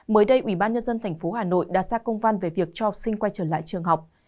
mới đây ủy ban nhân dân tp hà nội đã ra công văn về việc cho học sinh quay trở lại trường học